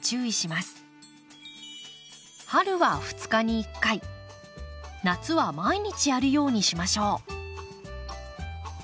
春は２日に１回夏は毎日やるようにしましょう。